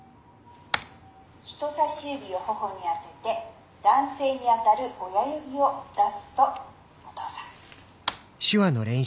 人さし指を頬に当てて男性に当たる親指を出すと「お父さん」。